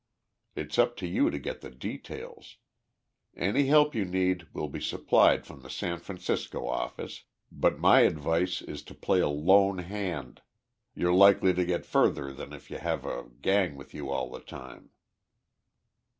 It's up to you to get the details. Any help you need will be supplied from the San Francisco office, but my advice is to play a lone hand you're likely to get further than if you have a gang with you all the time."